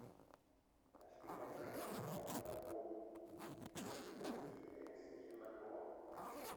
Da steht ein Einbrecher auf dem Balkon, flüsterte sie ängstlich in mein Ohr.